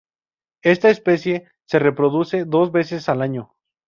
Esta especie se reproduce dos veces al año.